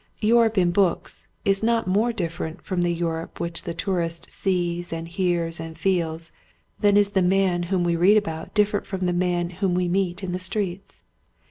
Europe in books is not more different from the Europe which the tour ist sees and hears and feels than is the man whom we read about different from the man whom we meet in the streets.